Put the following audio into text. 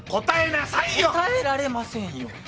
答えられませんよ。